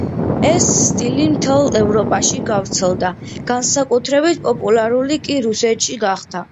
ეს სტილი მთელ ევროპაში გავრცელდა, განსაკუთრებით პოპულარული კი რუსეთში გახდა.